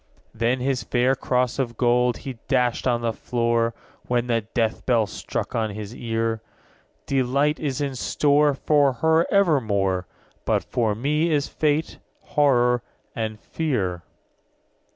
_20 4. Then his fair cross of gold he dashed on the floor, When the death knell struck on his ear. 'Delight is in store For her evermore; But for me is fate, horror, and fear.'